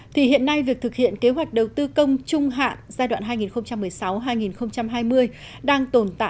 thì hiện nay việc thực hiện kế hoạch đầu tư công trung hạn giai đoạn hai nghìn một mươi sáu hai nghìn hai mươi